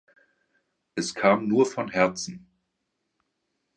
Es kam nur von Herzen.